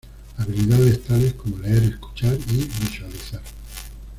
Habilidades tales como leer, escuchar y visualizar.